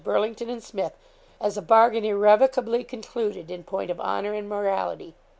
Burlington and Smith as a bargain irrevocably concluded in point of honour and morality.